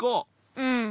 うん。